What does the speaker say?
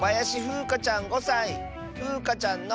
ふうかちゃんの。